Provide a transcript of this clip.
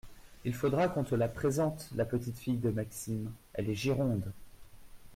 Il faudra qu’on te la présente, la petite-fille de Maxime, elle est gironde.